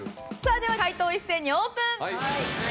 では解答一斉にオープン！